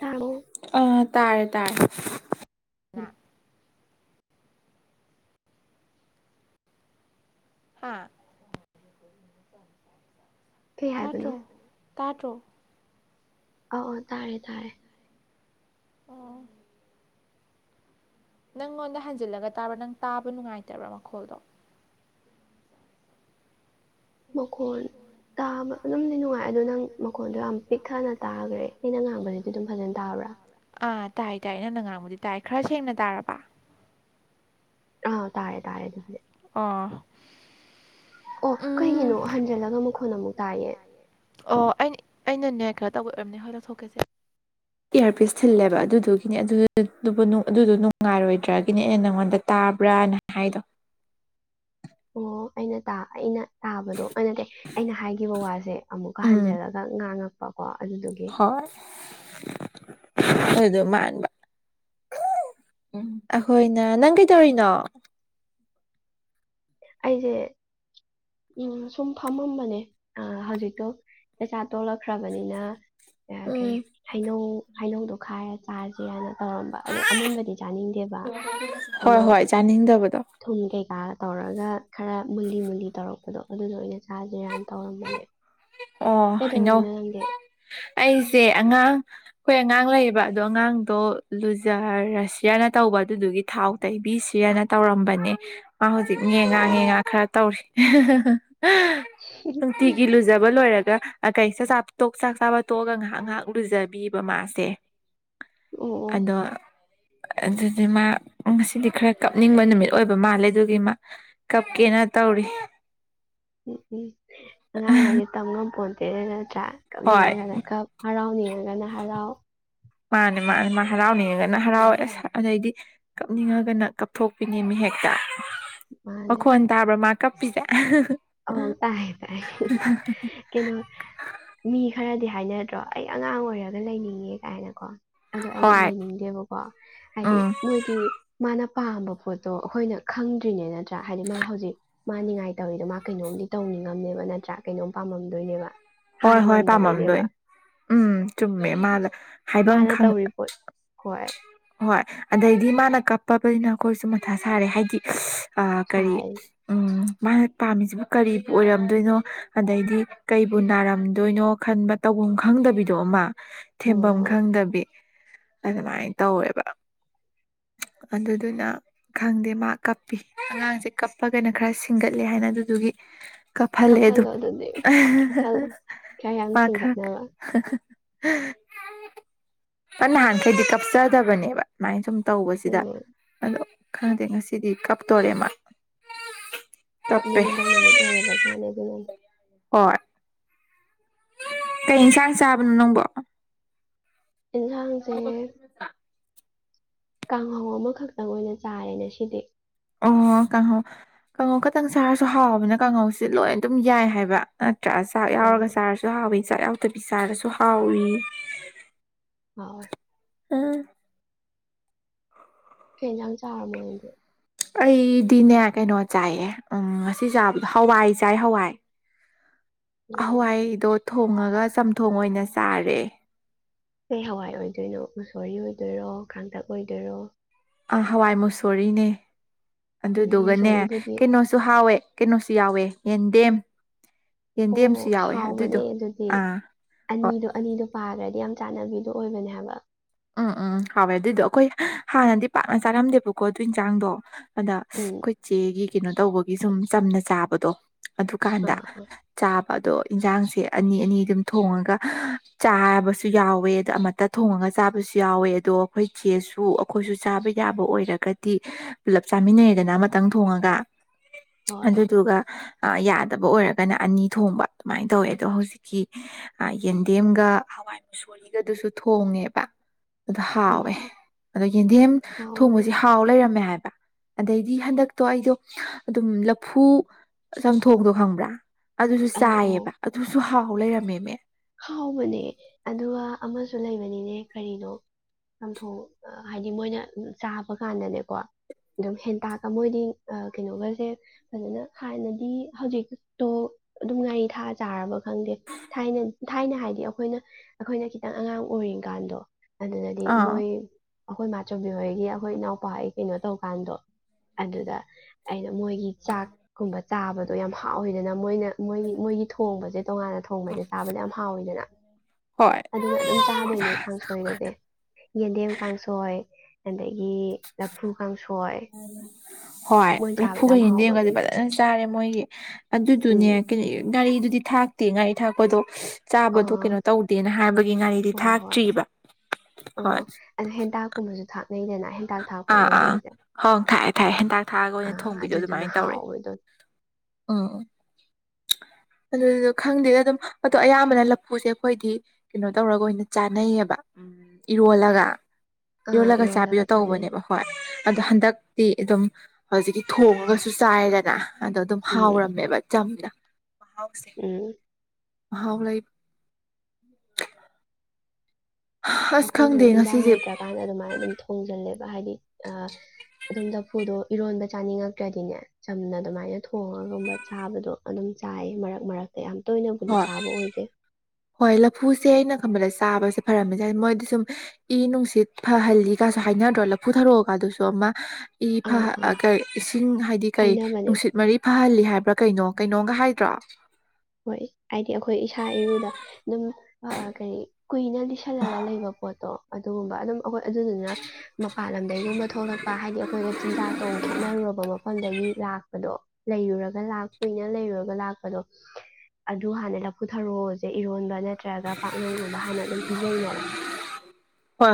ꯇꯥꯔꯕꯣ ꯑꯥ ꯇꯥꯔꯦ ꯇꯥꯔ‌ꯦ ꯍꯥꯥ ꯀꯩ ꯍꯥꯏꯕꯅꯣ ꯇꯥ ꯇꯔꫭ ꯑꫭ ꯑꫭ ꯇꯥꯔꯦ ꯇꯥꯔꯦ ꯑꯣ ꯅꯪꯉꯣꯟꯗ ꯍꯟꯖꯤꯜꯂꯒ ꯇꯥꯕ꯭ꯔꯥ ꯅꯪ ꯇꯥꯕ ꯅꯨꯡꯉꯥꯏꯇꯕ꯭ꯔꯥ ꯃꯈꯣꯜꯗꯣ ꯃꯈꫭꯟ ꯇꯥꯕ ꯑꯗꯨꯝꯗꯤ ꯅꯨꯡꯉꯥꯏ ꯑꯗꯨ ꯅꯪ ꯃꯈꯣꯟꯗꯣ ꯌꯥꯝ ꯄꯤꯛꯊꯅ ꯇꯥꯒ꯭ꯔꯦ ꯑꯩꯅ ꯉꯥꯡꯕꯖꯤꯗꯤ ꯑꯗꯨꯝ ꯐꯖꯅ ꯇꯥꯕ ꯑꯥ ꯇꯥꯏ ꯇꯥꯏ ꯅꯪ ꯅ ꯉꯥꯡꯕꯗꯤ ꯇꯥꯏ ꯈꯔ ꯁꯦꯡꯅ ꯇꯥꯔꯕ ꯑꯥ ꯇꯥꯔ‌ꯦ ꯇꯥꯔ‌ꯦ ꯑꯗꯨꯗꯤ ꯑꯣ ꯑꯣ ꯎꯝ ꯀꯩꯒꯤꯅꯣ ꯍꯟꯖꯤꯜꯂꯒ ꯃꯈꯣꯟ ꯑꯃꯨꯛ ꯇꯥꯏꯌꯦ ꯑꯣ ꯑꯩ ꯑꯩꯅ‌ꯅ‍ꯦ ꯀꯔ ꯇꯧꯕꯩ ꯑꯣꯏꯔꯝꯅꯤ ꯍꯣꯏ ꯂꯧꯊꫭꯛꯀꯦꯁꯦ ꯏꯌꯥꯔꯄꯤꯁ ꯊꯤꯜꯂꯦꯕ ꯑꯗꯨꯗꯨꯒꯤꯅꯤ ꯑꯗꯨ ꯑꯗꯨꯗꯣ ꯅꯨꯡꯉꯥꯏꯔꯣꯏꯗ꯭ꯔꯒꯤꯅꯦ ꯑꯩꯅ ꯅꯉꯣꯟꯗ ꯇ ꯇꯥꯕ꯭ꯔꯥꯅ ꯍꯥꯏꯗꯣ ꯑꯣ ꯑꯩꯅ ꯇꯥ ꯑꯩꯅ ꯇꯥꯕꯗꯣ ꯑꫭ ꯅꯠꯇꯦ ꯑꯩꯅ ꯍꯥꯏꯈꯤꯕ ꯋꯥꯖ‌ꯦ ꯑꯃꯨꯛꯀ ꯎꯝ ꯍꯟꯖꯜꯂꯒ ꯉꯥꯡꯉꯛ ꯀꯣ ꯑꯗꯨꯗꯨꯒꯤ ꯑꯩ ꯑꯗꯨ ꯃꯥꯟꯕꯥ ꯎꯝ ꯑꯩꯈꯣꯏꯅ ꯅꯪ ꯀꯩꯇꯧꯔꯤꯅꫭ ꯑꯩꯖ‌ꯦ ꯎꯝ ꯁꯨꯝ ꯐꯝꯃꯝꯕꯅꯦ ꯍꯧꯖꯤꯛꯇꯣ ꯆꯆꯥ ꯇꯣꯂꯛꯈ꯭ꯔꯕꯅꯤꯅ ꯑꯥ ꯀꯩ ꯎꯝ ꯍꯩꯅꯧ ꯍꯩꯅꯧꯗꯣ ꯈꯥꯏꯔ ꯆꯥꯥꯖ‌ꯦꯅ ꯇꯧꯔꯝꯕ ꯑꯗꯣ ꯑꯃꯨꯟꯕꯗꯤ ꯆꯥꯅꯤꯡꯗꯦꯕ ꯍꯣꯏ ꯑꯃ ꯍꯣꯏ ꯆꯥꯅꯤꯡꯗꯕꯗꯣ ꯊꯨꯝ ꯀꯩꯀꯥ ꯇꯧꯔꯥꯒ ꯈꯔ ꯃꯨꯜꯂꯤ ꯃꯨꯜꯂꯤ ꯇꯧꯔꯛꯄꯗꯣ ꯑꯗꯨꯗꯣ ꯑꫭꯏꯅ ꯆꯖꯤꯔꯥꯅ ꯇꯧꯔꯝꯕꯅꯦ ꯑꯣ ꯍꯩꯅꯧ ꯀꯩꯗꯧꯔꯝꯃꯤꯅꯣ ꯅꯪꯗꯤ ꯑꯩꯁꯦ ꯑꯉꯥꯡ ꯑꯩꯈꯣꯏ ꯑꯉꯥꯡ ꯂꯩꯌꯦꯕ ꯑꯗꯣ ꯑꯉꯥꯡꯗꯣ ꯂꯨꯖꯥ ꯔꯥꯁꯤꯔꯥꯅ ꯇꯧꯕ ꯑꯗꯨꯗꯨꯒꯤ ꯊꯥꯎ ꯇꯩꯕꯤꯁꯤ ꯄꯤꯔꯅ ꯇꯧꯔꯝꯕꯅꯦ ꯃꯥ ꯍꯧꯖꯤꯛꯅꯦ ꯉꯥ ꯑꯣ ꯉꯥ ꯈꯔ ꯇꯧꯔꯤ [unintelligible] ꯖꯕ ꯂꯣꯏꯔꯒ ꯀꯩ ꯆꯥꯛ ꯆꯥꯕ ꯇꯣꯛꯑꯒꯥ ꯉꯥꯏꯍꯥꯛ ꯉꯥꯏꯍꯥꯛ ꯂꯨꯖꯕꯤꯕ ꯃꯥꯁꯦ ꯑꯣ ꯑꯣ ꯑꯗꫭ ꯑꯗꯨꯗꯤ ꯃꯥ ꯉꯁꯤꯗꯤ ꯈꯔ ꯀꯞꯅꯤꯡꯕ ꯅꯨꯃꯤꯠ ꯑꯣꯏꯕ ꯃꯥꯜꯂꯦ ꯑꯗꯨꯒꯤ ꯃꯥ ꯀꯞꯀꯦꯅ ꯇꯧꯔꯤ ꯎꯝ ꯎꯝ ꯑꯉꯥꯡꯍꯥꯁꯦ ꯇꯝꯉꯝ ꯄꯣꯠꯇꯦꯗ ꯅꯠꯇ꯭ꯔ ꯍꯣꯏ ꯀꯞꯅꯤꯡꯉꯥꯒꯅ ꯀꯞ ꯍꯔꯥꯎꯅꯤꯉꯒꯅ ꯍꯔꯥꯎ ꯃꯥꯅꯦ ꯃꯥꯅꯦ ꯃꯥ ꯍꯔꯥꯎꯅꯤꯡꯉꯒꯅ ꯍꯔꯥꯎꯋꯦ ꯑꯁ ꯑꯗꯩꯗꯤ ꯀꯞꯅꯤꯡꯉꯒꯅ ꯀꯞꯊꯣꯛꯄꯤꯅꯦ ꯃꯤ ꯍꯦꯛꯇ ꯃꯈꯣꯟ ꯇꯥꯕ꯭ꯔꯥ ꯃꯥ ꯀꯞꯄꯤꯁꯦ ꯑꯥꯎ ꯇꯥꯏ ꯇꯥꯏ ꯀꯩꯅꯣ ꯃꯤ ꯈꯔꯥꯗꯤ ꯍꯥꯏꯅꯗ꯭ꯔꯣ ꯑꯩ ꯑꯉꯥꯡ ꯑꯣꯏꯔꯒ ꯂꯩꯅꯤꯡꯉꯦ ꯀꯥꯏꯅꯀꯣ ꯑꯗꯣ ꯑꯩꯗꯤ ꯍꯣꯏ ꯂꯩꯅꯤꯡꯗꯦꯕꯀꯣ ꯍꯥꯏꯗꯤ ꯎꯝ ꯃꯣꯏꯗꯤ ꯃꯥꯅ ꯄꯥꯝꯕ ꯄꯣꯠꯇꯣ ꯑꯩꯈꯣꯏꯅ ꯈꯪꯗ꯭ꯔꯤꯅꯦ ꯅꯠꯇ꯭ꯔꯥ ꯍꯥꯏꯗꯤ ꯃꯥ ꯍꯧꯖꯤꯛ ꯃꯥ ꯅꯤꯡꯉꯥꯏꯇꯧꯔꯤꯗꯣ ꯃꯥ ꯀꯩꯅꯣꯝꯗꯤ ꯇꯧꯅꯤꯡꯉꯝꯅꯦꯕ ꯅꯠꯇ꯭ꯔꯥ ꯀꯩꯅꯣꯝ ꯄꯥꯝꯃꯝꯗꯣꯏꯅꯦꯕ ꯍꯥꯏ ꯍꯣꯏ ꯍꯣꯏ ꯄꯥꯝꯃꯝꯗꯣꯏ ꯉꯝꯗꯕꯩꯅꯦꯕ ꯎꯝ ꯆꯨꯝꯃꯦ ꯃꯥ ꯃꯥꯅ ꯇꯧꯔꯤꯕꯣ ꯍꯣꯏ ꯍꯣꯏ ꯑꯗꯩꯗꯤ ꯃꯥꯅ ꯀꯞꯄꯕꯅꯤꯅ ꯑꯩꯈꯣꯏꯁꯨ ꯃꯊꯥ ꯁꯥꯔꯦ ꯍꯥꯏꯗꯤ ꯑ ꯀꯔꯤ ꯁꯥꯏ ꯎꯝ ꯃꯥꯅ ꯄꯥꯝꯃꯤꯁꯤꯕꯨ ꯀꯔꯤꯕꯨ ꯑꯣꯏꯔꯝꯗꯣꯏꯅꯣ ꯑꯗꯩꯗꯤ ꯀꯩ ꯕꯨ ꯅꯥꯔꯝꯗꯣꯏꯅꯣ ꯈꯟꯕ ꯇꯧꯐꯝ ꯈꯪꯗꯕꯤꯗꯣ ꯑꯃ ꯍꯣꯏ ꯊꯦꯝꯐꯝ ꯍꯣꯏ ꯈꯪꯗꯕꯤ ꯑꯗꯨꯃꯥꯏꯅ ꯇꯧꯋꯦꯕ ꯑꯗꯨꯗꯨꯅ ꯈꯪꯗꯦ ꯃꯥ ꯀꯞꯄꯤ ꯑꯉꯥꯡꯁꯦ ꯀꯞꯄꯒꯅ ꯈꯔ ꯁꯤꯡꯒꯠꯂꯦ ꯍꯥꯏꯅ ꯑꯗꯨꯗꯨꯒꯤ ꯀ ꯐ ꯂꯩꯗꯨ ꯀꯞꯍꯜꯂꯣ ꯑꯗꯨꯗꯤ ꯀꯞꯍꯜꯂꯣ ꯈꯔ ꯌꯥꯝ ꯃꯥ ꯀ ꯁꯤꯡꯒꯠꯅꯕ ꯍ ꯅꯍꯥꯟꯈꯩꯗꯤ ꯀꯞꯆꯗꯕꯅꯦꯕ ꯑꯗꯨꯃꯥꯏꯅ ꯁꯨꯝ ꯇꯧꯕꯁꯤꯗ ꯎꯝ ꯑꯗꯣ ꯈꯪꯗꯦ ꯉꯁꯤꯗꯤ ꯀꯞꯇꯣꯔꯦꯃ ꯀꯥꯞꯅꯤꯡꯕ ꯅꯨꯃꯤꯠ ꯑꯣꯏꯔꯕꯖꯥꯠꯅꯤ ꯑꯗꯨꯅ ꯍꯣꯏ ꯀꯩ ꯏꯟꯁꯥꯡ ꯆꯥꯕꯅꯣ ꯅꯪꯕ ꯌꯦꯟꯁꯥꯡꯁꯦ ꯀꯥꯡꯍꯧ ꯑꯃꯈꯛꯇꯪ ꯑꯣꯏꯅ ꯆꯥꯔꯦꯅꯦ ꯁꯤꯗꯤ ꯑꯣ ꯀꯥꯡꯍꯧ ꯀꯥꯡꯍꯧ ꯈꯇꯪ ꯁꯥꯔꯁꯨ ꯍꯥꯎꯕꯅ ꯀꯥꯡꯍꯧꯁꯤꯦ ꯂꯣꯏ ꯑꯗꯨꯝ ꯌꯥꯏ ꯍꯥꯏꯕ ꯆꯥꯛ ꯌꯥꯎꯔꯒ ꯑꯥ ꯆꯥꯔꯁꯨ ꯍꯥꯎꯋꯤ ꯆꯥꯛ ꯌꯥꯎꯗꯕꯤ ꯆꯥꯔꯁꯨ ꯍꯥꯎꯏꯤ ꯍ ꯑꯥ ꯀꯖꯥꯡ ꯆꯔꯃ ꯑꯣꯏꯗ ꯑꯩꯗꯤꯅꯦ ꯀꯩꯅꯣ ꯆꯥꯏꯌꯦ ꯎ ꯉꯁꯤ ꯆꯥꯕꯗ ꯍꯋꯥꯏ ꯆꯥꯏ ꯍꯋꯥꯏ ꯎꯝ ꯍꯋꯥꯏꯗꯣ ꯊꯣꯡꯉꯒ ꯆꯝꯊꯣꯡ ꯑꯣꯏꯅ ꯆꯥꯔꯦ ꯀꯩ ꯍꯋꯥꯏ ꯑꯣꯏꯗꯣꯏꯅꯣ ꯃꯁꯣꯔꯤ ꯑꯣꯏꯗꯣꯏꯔꯣ ꯀꯥꯡꯇꯛ ꯑꯣꯏꯗꯣꯏꯔꯣ ꯑꯥ ꯍꯋꯥꯏ ꯃꯨꯁꯣꯔꯤꯅꯦ ꯎꯝ ꯑꯗꯨꯗꯨꯒꯅꯦ ꯃꯨꯁꯣꯔꯤꯕꯨꯗꯤ ꯀꯩꯅꯣꯁꯨ ꯍꯥꯎꯋꯦ ꯀꯩꯅꯣꯁꯨ ꯌꯥꯎꯋꯦ ꯌꯦꯟꯗꯦꯝ ꯌꯦꯟꯗꯦꯝꯁꯨ ꯑꯣ ꯌꯥꯎꯋꯦ ꯍꯥꯎꯕꯅꯦ ꯑꯗꯨꯏꯗꯣ ꯑꯥ ꯍꯣꯏ ꯄꯥꯔ꯭ꯔꯗꯤ ꯌꯥꯝ ꯆꯥꯅꯕꯤꯗꯣ ꯑꯣꯏꯕꯅꯦꯕ ꯎꯝ ꯎꯝ ꯍꯥꯎꯋꯦ ꯑꯗꯨꯏꯗꯣ ꯑꯩꯈꯣꯏ ꯍꯥꯟꯅꯗꯤ ꯄꯥꯛꯅ ꯆꯥꯔꯝꯗꯦꯕꯀꯣ ꯑꯗꯨ ꯏꯟꯁꯥꯡꯗꯣ ꯑꯗ ꯎꯝ ꯑꯩꯈꯣꯏꯆꯦꯒꯤ ꯀꯩꯅꯣ ꯇꯧꯕꯒꯤ ꯁꯨꯝ ꯆꯝꯅ ꯆꯥꯕꯗꯣ ꯑꯗꯨꯀꯥꯟꯗ ꯑꯥ ꯆꯥ ꯑꯗꯣ ꯏꯟꯖꯥꯡꯁꯦ ꯑꯅꯤ ꯑꯅꯤ ꯑꯗꯨꯝ ꯊꯣꯡꯉꯒ ꯆꯥꯕꯁꯨ ꯌꯥꯎꯋꯦ ꯑꯗ ꯑꯃꯠꯇ ꯊꯣꯡꯉꯒ ꯆꯥꯕꯁꯨ ꯌꯥꯎꯋꯦ ꯑꯗꯣ ꯑꯩꯈꯣꯏ ꯆꯦꯁꯨ ꯑꯩꯈꯣꯏꯁꯨ ꯆꯥꯕ ꯌꯥꯕ ꯑꯣꯏꯔꯒꯗꯤ ꯄꯨꯂꯞ ꯆꯥꯃꯤꯟꯅꯩ ꯍꯥꯏꯗꯅ ꯑꯃꯇꯪ ꯊꯣꯡꯉꯒ ꯍꯣꯏ ꯑꯗꯨꯗꯨꯒ ꯌꯥꯗꯕ ꯑꯣꯏꯔꯒꯅ ꯑꯅꯤ ꯊꯣꯡꯕ ꯑꯗꯨꯃꯥꯏꯅ ꯇꯧꯋꯦ ꯑꯗꯣ ꯍꯧꯖꯤꯛꯀꯤ ꯌꯦꯟꯗꯦꯝꯒ ꯍꯋꯥꯏ ꯃꯨꯁꯣꯔꯤꯒꯗꯨꯁꯨ ꯊꯣꯡꯉꯦꯕ ꯑꯗꯨꯗ ꯍꯥꯎꯋꯦ ꯎꯝ ꯑꯗꯣ ꯌꯦꯟꯗꯦꯝ ꯍꯥꯎꯕꯅꯦ ꯊꯣꯡꯕꯕꯁꯤ ꯍꯥꯎ ꯂꯩꯔꯝꯃꯦ ꯍꯥꯏꯕ ꯑꯗꯩꯗꯤ ꯍꯟꯗꯛꯇꯣ ꯑꯩꯗꯣ ꯑꯗꯨꯝ ꯂꯐꯨ ꯆꯝꯊꯣꯡꯗꯣ ꯈꯪꯕ꯭ꯔꯥ ꯑꯗꯨꯁꯨ ꯑꯧ ꯑꯧ ꯆꯥꯏꯑꯕ ꯑꯗꯨꯁꯨ ꯍꯥꯎ ꯂꯩꯔꯝꯃꯦꯃꯦ ꯍꯥꯎꯕꯅꯦ ꯑꯗꯨꯒ ꯑꯃꯁꯨ ꯂꯩꯕꯅꯤꯅꯦ ꯀꯔꯤꯅꯣ ꯆꯝꯊꯣꯡ ꯍꯥꯏꯗꯤ ꯃꯣꯏꯅ ꯆꯥꯕ ꯀꯥꯟꯗꯅꯦꯀꯣ ꯑꯗꯨꯝ ꯍꯦꯟꯇꯥꯛꯀ ꯃꯣꯏꯗꯤ ꯀꯩꯅꯣꯒꯁꯦ ꯐꯖꯅ ꯍꯥꯟꯅꯗꯤ ꯍꯧꯖꯤꯛꯇꯣ ꯑꯗꯨꯝ ꯉꯔꯤ ꯊꯥ ꯆꯥꯔꯕ ꯈꯪꯗꯦ ꯊꯥꯏꯅ ꯊꯥꯏꯅ ꯍꯥꯏꯗꯤ ꯑꯩꯈꯣꯏꯅ ꯑꯩꯈꯣꯏꯅ ꯈꯤꯇꯪ ꯑꯉꯥꯡ ꯑꯣꯏꯔꯤꯀꯥꯟꯗꯣ ꯑꯗꯨꯅꯗꯤ ꯑꯥ ꯃꯣꯏ ꯑꯩꯈꯣꯏ ꯃꯥꯆꯝꯕꯤ ꯍꯣꯏꯒꯤ ꯑꯩꯈꯣꯏ ꯏꯅꯥꯎꯄꯥꯒꯤ ꯀꯩꯅꯣ ꯇꯧꯀꯥꯟꯗꯣ ꯑꯗꯨꯗ ꯑꯩꯅ ꯃꯣꯏꯒꯤ ꯆꯥꯛꯀꯨꯝꯕ ꯆꯥꯕꯗꯣ ꯌꯥꯝ ꯍꯥꯎꯋꯤꯗꯅ ꯃꯣꯏꯅ ꯃꯣꯏ ꯃꯣꯏꯒꯤ ꯊꯣꯡꯕꯁꯦ ꯇꯣꯉꯥꯟꯅ ꯊꯣꯡꯕꯁꯦ ꯆꯥꯕꯗ ꯌꯥꯝ ꯍꯥꯎꯋꯤꯗꯅ ꯍꯣꯏ ꯑꯗꯨꯅ ꯑꯗꯨꯝ ꯆꯥꯗꯣꯏꯅꯦ ꯀꯥꯡꯁꯣꯏꯒꯁꯦ ꯌꯦꯟꯗꯦꯝ ꯀꯥꯡꯁꯣꯏ ꯑꯗꯒꯤ ꯂꯐꯨ ꯀꯥꯡꯁꯣꯏ ꯍꯣꯏ ꯃꯣꯏ ꯆꯥꯕꯗ ꯂꯐꯨꯒ ꯌꯥꯝ ꯍꯥꯎꯕꯒꯤ ꯌꯦꯦꯟꯗꯦꯝꯒꯗꯤ ꯐꯖꯅ ꯆꯥꯔꯦ ꯃꯣꯏꯒꯤ ꯑꯗꯨꯗꯨꯅꯦ ꯎꯝ ꯀꯩꯅ ꯒꯥꯔꯤꯗꯨ ꯗꯤ ꯊꯥꯛꯇꯦ ꯉꯥꯥꯏ ꯊꯥꯛꯄꯗꯣ ꯆꯥꯕꯗꯣ ꯑꯥ ꯀꯩꯅꯣ ꯇꯧꯗꯦꯅ ꯍꯥꯏꯕꯒꯤ ꯉꯥꯔꯤꯗꯤ ꯍꯣꯏ ꯍꯣꯏ ꯊꯥꯛꯇ꯭ꯔꯤꯕ ꯑꯣ ꯍꯣꯏ ꯑꯗꯨꯗꯣ ꯍꯦꯟꯇꯥꯛꯀꯨꯝꯕꯁꯨ ꯊꯥꯛꯅꯩꯗꯅ ꯍꯦꯟꯇꯥꯛ ꯊꯥꯛꯄ꯭ꯔꯥ ꯑꯥ ꯑꯥ ꯅꯣꯏꯒꯤꯗꯨꯗ ꯍꯣꯡ ꯊꯥꯏꯑꯦ ꯊꯥꯏ ꯍꯦꯟꯇꯥꯛ ꯊꯥꯛꯑꯒ ꯑꯣꯏꯅ ꯊꯣꯡꯕꯤꯗꯣ ꯑꯗꯨꯗꯨꯅ ꯑꯗꯨꯃꯥꯏꯅ ꯇꯧꯔꯦ ꯍꯥꯎꯕꯗꯣ ꯎꯝ ꯎꯝ [unintelligible] ꯑꯗꯨꯗꯨꯗ ꯈꯪꯗꯦꯗ ꯑꯗꯨꯝ ꯑꯗꯣ ꯑꯌꯥꯝꯕꯅ ꯂꯐꯨꯁꯦ ꯑꯩꯈꯣꯏꯗꯤ ꯀꯩꯅꯣ ꯇꯧꯔꯒ ꯑꯣꯏꯅ ꯆꯥꯅꯩꯌꯦꯕ ꯎꯝ ꯏꯔꯣꯜꯂꯒ ꯑ ꯌꯣꯜꯂꯒ ꯏ ꯆꯥꯕꯤꯌꯣ ꯔꯣꯜꯂꯒ ꯇꯧꯕꯅꯦꯕ ꯍꯣꯏ ꯑꯗꯣ ꯍꯟꯗꯛꯇꯤ ꯑꯗꯨꯝ ꯍꯧꯖꯤꯛꯀꯤ ꯊꯣꯡꯉꯒꯁꯨ ꯆꯥꯏꯗꯅ ꯑꯗꯣ ꯑꯗꯨꯝ ꯎꯝ ꯍꯥꯎꯔꯝꯃꯦꯕ ꯆꯝꯅ ꯃꯍꯥꯎꯁꯦ ꯎꯝ ꯍꯥꯎ ꯂꯩ ꯑꯁ ꯑꯩꯈꯣꯏꯁꯨ ꯈꯪꯗꯦ ꯏꯟꯖꯥꯡ ꯉꯁꯤꯁꯦ ꯂꯩꯇ꯭ꯔꯀꯥꯟꯗ ꯑꯗꯨꯃꯥꯏꯅ ꯑꯗꯨꯝ ꯊꯣꯡꯖꯜꯂꯦꯕ ꯍꯥꯏꯗꯤ ꯑꯗꯨꯝ ꯆꯐꯨꯗꯣ ꯏꯔꯣꯟꯕ ꯆꯥꯅꯤꯡꯉꯛꯇ꯭ꯔꯗꯤꯅꯦ ꯆꯝꯅ ꯑꯗꯨꯃꯥꯏꯅ ꯊꯣꯡꯉꯒ ꯒꯕ ꯆꯥꯕꯗꯣ ꯑꯗꯨꯝ ꯆꯥꯏꯌꯦ ꯃꯔꯛ ꯃꯔꯛꯇ ꯌꯥꯝ ꯇꯣꯏꯅꯕꯨꯗꯤ ꯍꯣꯏ ꯆꯥꯕ ꯑꯣꯏꯗꯦ ꯍꯣꯏ ꯂꯐꯨꯁꯦ ꯑꯩꯅ ꯈꯟꯕꯗ ꯆꯥꯕꯁꯦ ꯐꯔꯝꯃꯤꯁꯦ ꯃꯣꯏꯗꯤ ꯁꯨꯝ ꯏ ꯅꯨꯡꯁꯤꯠ ꯐꯍꯜꯂꯤ ꯀꯥꯁꯨ ꯍꯥꯏꯅꯗ꯭ꯔꯣ ꯂꯐꯨ ꯊꯥꯔꯛꯑꯀꯥꯟꯗꯨꯁꯨ ꯑꯃ ꯏ ꯑꯥ ꯑꯥ ꯏꯁꯤꯡ ꯍꯥꯏꯗꯤ ꯀꯔꯤ ꯍꯥꯏꯅꯕꯅꯦ ꯅꯨꯡꯁꯤꯠ ꯃꯔꯤ ꯐꯍꯜꯂꯤ ꯍꯥꯏ ꯍꯥꯏꯕ꯭ꯔꯥ ꯀꯩꯅꯣ ꯀꯩꯅꯣꯒ ꯍꯥꯏꯗ꯭ꯔꯣ ꯍꯣꯏ ꯍꯥꯏꯗꯤ ꯑꯩꯈꯣꯏ ꯏꯁꯥ ꯏꯔꯨꯗ ꯑꯗꯨꯝ ꯀꯔꯤ ꯀꯨꯏꯅ ꯂꯤꯁꯜꯂꯒ ꯂꯩꯕ ꯄꯣꯠꯇꯣ ꯑꯗꯨꯒꯨꯝꯕ ꯑꯗꯨꯝ ꯑꯩꯈꯣꯏ ꯑꯗꯨꯗꯨꯅ ꯃꯄꯥꯟ ꯂꯝꯗꯒꯤꯩꯒꯨꯝꯕ ꯊꯣꯛꯂꯛꯄ ꯍꯥꯏꯗꯤ ꯑꯩꯈꯣꯏꯒ ꯆꯤꯟꯖꯥꯛꯇꯣꯡ ꯈꯦꯠꯅꯔꯨꯔꯕ ꯐꯣꯟꯗꯒꯤ ꯂꯥꯛꯄꯗꯣ ꯂꯩꯔꯨꯔꯒ ꯂꯥꯛ ꯀꯨꯏꯅ ꯂꯩꯔꯨꯔꯒ ꯂꯥꯛꯄꯗꯣ ꯑꯗꯨ ꯍꯥꯟꯅꯗ ꯄꯨꯊꯔꯛꯑꯣꯁꯦ ꯏꯔꯣꯟꯕꯅ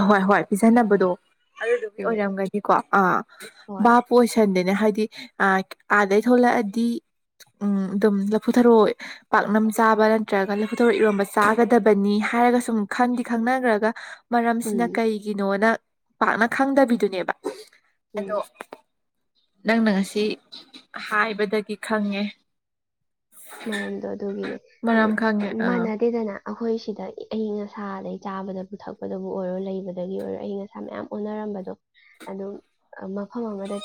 ꯍꯣꯏ ꯍꯣꯏ ꯄꯤꯖꯟꯅꯕꯗꯣ ꯑꯗꯨꯗꯨꯒꯤ ꯎꯝ ꯑꯣꯏꯔꯝꯒꯅꯤꯀꯣ ꯑꯥ ꯍꯣꯏ ꯚꯕꯥ ꯄꯣ ꯑꯣꯏꯁꯟꯗꯦ ꯍꯥꯏꯗꯤ ꯑꯥꯗꯩ ꯊꯣꯛꯂꯛꯑꯗꯤ ꯎꯝ ꯑꯗꯨꯝ ꯂꯐꯨꯊꯔꯣ ꯄꯥꯛꯅꯝ ꯆꯥꯕ ꯅꯠꯇ꯭ꯔꯒ ꯂꯐꯨꯊꯔꯣ ꯏꯔꯣꯝꯕ ꯆꯥꯒꯗꯕꯅꯤ ꯍꯥꯏꯔꯒ ꯁꯨꯝ ꯈꯟꯗꯤ ꯈꯪꯅꯈ꯭ꯔꯒ ꯎꯝ ꯃꯔꯝꯁꯤꯅ ꯀꯩꯒꯤꯅꯣꯅ ꯄꯥꯛꯅ ꯈꯪꯗꯕꯤꯗꯨꯅꯦꯕ ꯎꯝ ꯑꯗꯣ ꯅꯪꯅ ꯉꯁꯤ ꯍꯥꯏꯕꯗꯒꯤ ꯈꯪꯉꯦ ꯃꯔꯝꯗꯣ ꯑꯗꯨꯒꯤꯅꯦ ꯍꯥꯏꯗꯤ ꯃꯔꯝ ꯈꯪꯉꯦ ꯑꯥ ꯃꯥꯟꯅꯗꯦꯗꯅ ꯑꯩꯈꯣꯏ ꯁꯤꯗ ꯑꯏꯪ ꯑꯁꯥ ꯑꯗꯩ ꯆꯥꯕꯗ ꯄꯨꯊꯛꯄꯗꯕꯨ ꯑꯣꯏꯔꯣ ꯂꯩꯕꯗꯒꯤ ꯑꯣꯏꯔꯣ ꯑꯏꯪ ꯑꯁꯥ ꯃꯌꯥꯝ ꯑꯣꯟꯅꯔꯛ ꯗꯣ ꯑꯗꯨꯝ ꯃꯐꯝ ꯑꯃꯗ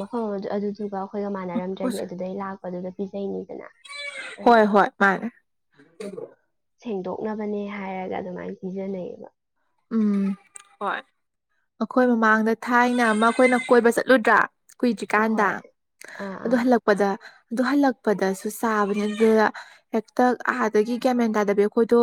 ꯃꯐꯝ ꯑꯃꯗ ꯑꯗꯨꯗꯨꯒ ꯑꯩꯈꯣꯏꯒ ꯃꯥꯟꯅꯔꯝꯗ꯭ꯔꯗꯤ ꯑꯗꯨꯗꯩ ꯂꯥꯛꯄꯗꯨꯗ ꯄꯤꯖꯩꯅꯤꯗꯅ ꯍꯣꯏ ꯑꯗꯨꯅ ꯍꯣꯏ ꯃꯥꯅꯦ ꯁꯦꯡꯗꯣꯛꯅꯕꯅꯦ ꯍꯥꯏꯔꯒ ꯑꯗꯨꯃꯥꯏꯅ ꯄꯤꯖꯟꯅꯩꯑꯌꯦꯕ ꯎꯝ ꯍꯣꯏ ꯑꯩꯈꯣꯏ ꯃꯃꯥꯡꯗ ꯊꯥꯏꯅ ꯑꯃ ꯑꯩꯈꯣꯏꯅ ꯀꯣꯏꯕ ꯆꯠꯂꯨꯗ꯭ꯔꯥ ꯀꯨꯏꯗ꯭ꯔꯤꯀꯥꯟꯗ ꯍꯣꯏ ꯑꯥ ꯑꯗꯨ ꯑꯥ ꯍꯜꯂꯛꯄꯗ ꯑꯗꯨ ꯍꯜꯂꯛꯄꯗꯁꯨ ꯆꯥꯕꯅꯦ ꯑꯗꯨꯗ ꯍꯦꯛꯇ ꯑꯥꯗꯒꯤ ꯒ꯭ꯌꯥꯃꯦꯟ ꯇꯥꯗꯕꯤ ꯑꯩꯈꯣꯏꯗꯣ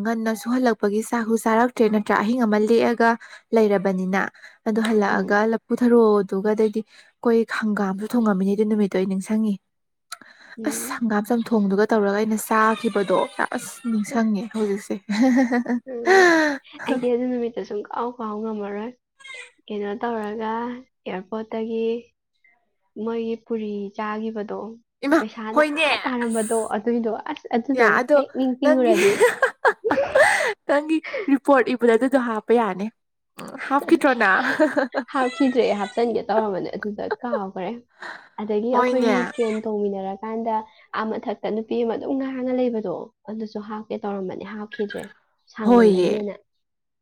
ꯉꯟꯅ ꯁꯨꯍꯜꯂꯛꯄꯒꯤ ꯆ ꯍꯨ ꯆꯥꯔꯛ ꯇ꯭ꯔꯦꯠ ꯅꯠꯇ꯭ꯔꯥ ꯑꯍꯤꯡ ꯑꯃ ꯂꯦꯛꯑꯒ ꯂꯩꯔꯕꯅꯤꯅ ꯑꯗꯣ ꯎꯝ ꯍꯜꯂꯛꯑꯒ ꯂꯐꯨ ꯊꯔꯣ ꯑꯗꯨꯒꯒꯗꯩꯗꯤ ꯑꯩꯈꯣꯏ ꯍꯪꯒꯥꯝꯁꯨ ꯊꯣꯡꯉꯝꯃꯤꯅꯦ ꯑꯗꯨ ꯅꯨꯃꯤꯠꯇꯣ ꯑꯩ ꯅꯤꯡꯁꯤꯡꯉꯤ ꯑꯁ ꯎꯝ ꯍꯪꯒꯥꯝ ꯆꯝꯊꯣꯡꯗꯨꯒ ꯇꯧꯔꯒ ꯑꯩꯅ ꯆꯥꯈꯤꯕꯗꯣ ꯑꯁ ꯅꯤꯡꯁꯤꯡꯉꯦ ꯍꯧꯖꯤꯛꯁꯦ ꯎꯝ ꯑꯩꯗꯤ ꯑꯗꯨ ꯅꯨꯃꯤꯠꯇ ꯁꯨꯝ ꯀꯥꯎ ꯀꯥꯎ ꯉꯝꯃꯔꯣꯏ ꯀꯩꯅꯣ ꯇꯄ ꯃꯣꯏꯒꯤ ꯄꯨ ꯆꯥ ꯑꯣ ꯏꯃꯥ ꯄꯩꯁꯥꯅ ꯍꯣꯏꯅꯦ ꯑ ꯇꯥꯔꯝꯕꯗꯣ ꯑꯁ ꯑꯗꯨꯏꯗꯣ ꯌꯥ ꯑꯗꯨꯗꯣ ꯑꯗꯣ ꯍꯦꯛ ꯅꯪꯒꯤ ꯅꯤꯡꯁꯤꯡꯉꯨꯔꯗꯤ ꯅꯪꯒꯤ ꯔꯤꯄꯣꯔꯠ ꯑꯗꯨꯗꯣ ꯍꯥꯞꯄ ꯌꯥꯅꯤ ꯎ ꯍꯥꯞꯈꯤꯗ꯭ꯔꯣꯅ ꯍꯥꯞꯈꯤꯗ꯭ꯔꯦ ꯍꯥꯞꯆꯤꯟꯒꯦ ꯇꯧꯔꯝꯕꯅꯦ ꯑꯗꯨꯗ ꯀꯥꯎꯈ꯭ꯔꯦ ꯑꯗꯒꯤ ꯍꯣꯏꯅꯦ ꯑꯩꯈꯣꯏꯒꯤ ꯇ꯭ꯔꯦꯟ ꯇꯣꯡꯃꯤꯟꯅꯔꯛ ꯀꯥꯟꯗ ꯑꯥ ꯃꯊꯛꯇ ꯅꯨꯄꯤ ꯑꯃ ꯑꯗꯨꯝ ꯉꯥꯟꯅ ꯂꯩꯕꯗꯣ ꯑꯗꯨꯁꯨ ꯍꯥꯞꯀꯦ ꯇꯧꯔꯝꯕꯅꯦ ꯍꯥꯞꯈꯤꯗ꯭ꯔꯦ ꯍꯣꯏꯌꯦ ꯁꯥꯡꯃꯜꯂꯅꯤꯅ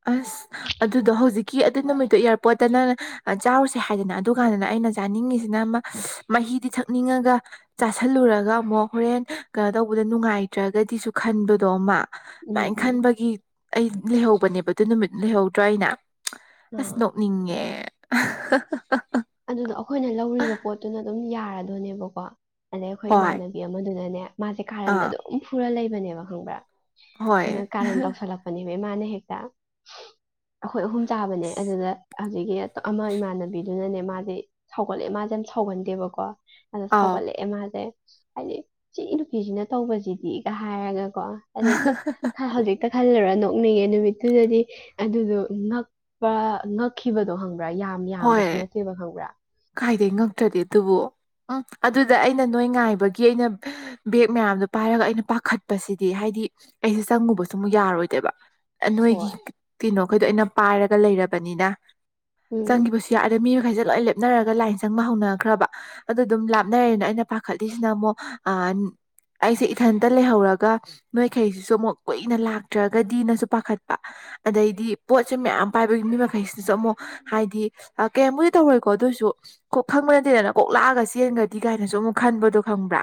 ꯑꯁ ꯑꯗꯨꯗꯣ ꯍꯧꯖꯤꯛ ꯀꯤ ꯑꯗꯨ ꯅꯨꯃꯤꯠꯇꯨ ꯏꯌꯥꯔꯄꯣꯔꯠꯇꯅ ꯆꯥꯎꯔꯨꯁꯦ ꯍꯥꯏꯗꯅ ꯑꯗꯨꯀꯥꯟꯗꯅ ꯑꯩꯅ ꯆꯥꯅꯤꯡꯉꯤꯁꯤꯅ ꯍꯤꯗꯤ ꯊꯛꯅꯤꯡꯉꯒ ꯆꯥꯥꯁꯜꯂꯨꯔꯒ ꯑꯃꯨꯛ ꯍꯣꯔꯦꯟ ꯀꯩꯅꯣ ꯇꯧꯕꯗ ꯅꯨꯡꯉꯥꯏꯇ꯭ꯔꯒꯗꯤꯁꯨ ꯈꯟꯕ ꯑꯗꯨꯗꯣ ꯑꯃ ꯎꯝ ꯑꯗꯨꯃꯥꯏꯅ ꯎꯝ ꯈꯟꯕꯒꯤ ꯑꯩ ꯂꯩꯍꯧꯕꯅꯦꯕ ꯑꯗꯨ ꯅꯨꯃꯤꯠ ꯂꯩꯍꯧꯗ꯭ꯔꯥ ꯍꯥꯏꯅ ꯑꯁ ꯑꯥ ꯅꯣꯛꯅꯤꯡꯉꯦ ꯑꯗꯨꯗ ꯑꯩꯈꯣꯏꯅ ꯂꯧꯔꯤꯕ ꯄꯣꯠꯇꯨꯅ ꯑꯗꯨꯝ ꯌꯥꯔꯗꯣꯏꯅꯦꯕꯀꯣ ꯑꯗꯩ ꯑꯩꯈꯣꯏ ꯍꯣꯏ ꯏꯃꯥꯟꯅꯕꯤ ꯑꯃꯗꯨꯅꯅꯦ ꯃꯥꯁꯦ ꯀꯥꯔꯟꯗ ꯑꯥ ꯑꯗꯨꯝ ꯐꯨꯔ ꯂꯩꯕꯅꯦꯕ ꯈꯪꯕ꯭ꯔꯥ ꯑ ꯍꯣꯏ ꯀꯟ ꯇꯁꯂ ꯄꯅꯤ ꯃꯥꯅ ꯍꯦꯛꯇ ꯑꯩꯈꯣꯏ ꯑꯍꯨꯝ ꯆꯥꯕꯅꯦ ꯑꯗꯨꯗ ꯑꯗꯨꯗꯒꯤ ꯑꯃ ꯏꯃꯥꯟꯅꯕꯤꯗꯨꯅꯅꯦ ꯃꯥꯁꯦ ꯁꯧꯒꯠꯂꯦ ꯃꯥꯁꯦ ꯌꯥꯝ ꯁꯧꯒꯟꯗꯦꯕꯀꯣ ꯑꯗ ꯑꯥꯎ ꯁꯥꯎꯒꯠꯂꯛꯑꯦ ꯃꯥꯁꯦ ꯍꯥꯏꯗꯤ ꯏ ꯏ ꯅꯨꯄꯤꯁꯤꯅ ꯇꯧꯕꯁꯤꯗꯤꯒ ꯍꯥꯏꯔꯒ ꯀꯣ ꯑꯗꯨꯅ ꯍꯧꯖꯤꯛꯇ ꯈꯜꯂꯨꯔꯅꯨ ꯉꯛꯅꯤꯡꯉꯦ ꯅꯨꯃꯤꯠꯇꯨꯗꯗꯤ ꯑꯗꯨꯗꯣ ꯉꯛꯄ ꯉꯛꯈꯤꯕꯗꯣ ꯍꯪꯕ ꯌꯥꯝ ꯌꯥꯝꯕꯁꯨ ꯅꯠꯇ ꯀꯥꯏꯗꯒꯤꯩ ꯉꯛꯇ꯭ꯔꯗꯤ ꯑꯗꯨꯕꯨꯣ ꯎꯝ ꯑꯗꯨꯗ ꯑꯩꯅ ꯅꯣꯏ ꯉꯥꯏꯕꯒꯤ ꯑꯩꯅ ꯕꯦꯒ ꯃꯌꯥꯝꯗꯣ ꯄꯥꯏꯔꯒ ꯑꯩꯅ ꯄꯥꯈꯠꯄꯁꯤꯗꯤ ꯍꯥꯏꯗꯤ ꯍꯥꯏꯗꯤ ꯑꯩꯁꯦ ꯆꯪꯉꯨꯕꯁꯨ ꯑꯃꯨꯛ ꯌꯥꯔꯣꯏꯗꯦꯕ ꯅꯣꯏꯒꯤ ꯍꯣꯏ ꯀꯩꯅꯣꯈꯩꯗꯣ ꯑꯩꯅ ꯄꯥꯏꯔꯒ ꯂꯩꯔꯕꯅꯤꯅ ꯎꯝ ꯆꯪꯈꯤꯕꯁꯨ ꯌꯥꯔ ꯃꯤ ꯈꯥꯏꯖꯂꯛꯑꯦ ꯂꯥꯞꯅꯔꯒ ꯂꯥꯏꯟ ꯆꯪꯕ ꯍꯧꯅꯈ꯭ꯔꯕ ꯑꯗꯨ ꯑꯗꯨꯝ ꯂꯥꯞꯅꯔꯦꯅ ꯑꯩꯅ ꯄꯥꯈꯠꯂꯤꯁꯤꯅ ꯑꯃꯨꯛ ꯑꯩꯁꯦ ꯏꯊꯟꯇ ꯂꯩꯍꯧꯔꯒ ꯅꯣꯏꯈꯩꯁꯤꯁꯨ ꯑꯃꯨꯛ ꯀꯨꯏꯅ ꯂꯥꯛꯇ꯭ꯔꯒꯗꯤ ꯅꯁꯨ ꯄꯥꯈꯠꯄ ꯑꯗꯩꯗꯤ ꯄꯣꯠꯁꯦ ꯃꯌꯥꯝ ꯄꯥꯏꯕꯒꯤ ꯃꯤ ꯃꯈꯩꯁꯤꯗꯁꯨ ꯑꯃꯨꯛ ꯍꯥꯏꯗꯤ ꯀꯌꯥꯝꯃꯨꯗꯤ ꯇꯧꯔꯣꯏ ꯀꯣ ꯑꯗꯨꯏꯁꯨ ꯀꯣꯛ ꯈꯪꯕ ꯅꯠꯇꯦꯗꯅ ꯀꯣꯛꯂꯥꯛꯑꯒ ꯆꯦꯟꯒ꯭ꯔꯗꯤ ꯀꯥꯏꯅꯁꯨ ꯑꯃꯨꯛ ꯈꯟꯕꯗꯣ ꯈꯪꯕ꯭ꯔꯥ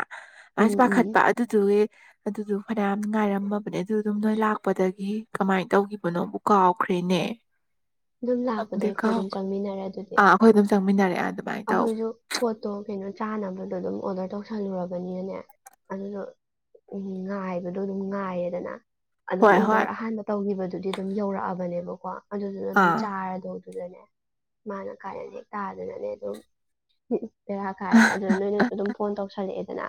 ꯎꯝ ꯑꯗꯨꯥꯏꯁꯨ ꯎꯝ ꯄꯥꯈꯠꯄ ꯑꯗꯨꯗꯨꯒꯤ ꯑꯗꯨꯗꯨ ꯐꯅꯌꯥꯝ ꯉꯥꯏꯔꯝꯃꯕꯅꯦ ꯑꯗꯨꯗꯨꯝ ꯅꯣꯏ ꯂꯥꯛꯄꯗꯒꯤ ꯀꯃꯥꯏꯅ ꯇꯧꯈꯤꯕꯅꯣꯕꯨ ꯀꯥꯎꯈ꯭ꯔꯦ ꯇꯅꯦ ꯑꯗꯨꯝ ꯂꯥꯛꯄꯗ ꯑꯩꯈꯣꯏ ꯑꯗꯨꯝ ꯆꯪꯃꯤꯟꯅꯔꯦ ꯑꯗꯨꯗꯤ ꯑꯥ ꯑꯩꯈꯣꯏ ꯑꯗꯨꯝ ꯆꯪꯃꯤꯟꯅꯔꯛꯑꯦ ꯑꯗꯨꯃꯥꯏꯅ ꯇꯧ ꯑꯩꯈꯣꯏꯁꯨ ꯄꯣꯠꯇꯣ ꯀꯩꯅꯣ ꯆꯥꯅꯕꯗꯣ ꯑꯗꯨꯝ ꯑꯣꯔꯗꯔ ꯇꯧ ꯇꯁꯜꯂꯨꯔꯕꯅꯤꯅꯅꯦ ꯑꯗꯨꯗꯣ ꯎꯝ ꯉꯥꯏꯕꯗꯣ ꯑꯗꯨꯝ ꯉꯥꯏꯌꯦꯗꯅ ꯑꯗꯨꯝ ꯍꯣꯏ ꯑꯣꯗꯔ ꯍꯣꯏ ꯑꯍꯥꯟꯕ ꯇꯧꯈꯤꯕꯗꯨꯗꯤ ꯑꯗꯨꯝ ꯌꯧꯔꯛꯑꯕꯅꯦꯕꯀꯣ ꯑꯗꯨꯗꯨꯅ ꯑꯗꯨꯝ ꯑꯥ ꯊꯥꯗꯣꯛꯇꯗꯅꯦ ꯃꯥꯅ ꯀꯥꯏꯅ ꯍꯦꯛ ꯇꯥꯗꯅꯅꯦ ꯑꯗꯨꯝ ꯄꯦꯔ ꯀꯥꯏꯔꯅ ꯑꯗꯨꯅ ꯅꯣꯏꯅ ꯑꯗꯨꯝ ꯐꯣꯟ ꯇꯧꯁꯜꯂꯛꯑꯦꯗꯅ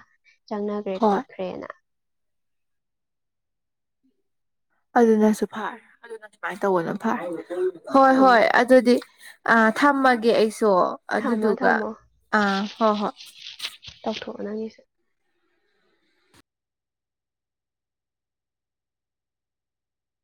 ꯆꯪꯅꯈ꯭ꯔꯦ ꯍꯣꯏ ꯈꯣꯠꯈ꯭ꯔꯦꯅ ꯑꯗꯨꯅꯁꯨ ꯐꯔꯦ ꯑꯗꯨꯅ ꯑꯗꯨꯃꯥꯏꯅ ꯇꯧꯕꯅ ꯐꯔ ꯍꯣꯏ ꯎꯝ ꯍꯣꯏ ꯑꯗꯨꯗꯤ ꯑꯥ ꯊꯝꯃꯒꯦ ꯑꯩꯁꯨ ꯊꯝꯃꯣ ꯑꯗꯨꯗꯨꯒ ꯊꯝꯃꯣ ꯑꯥ ꯍꯣꯏ ꯍꯣꯏ ꯑꯒꯤ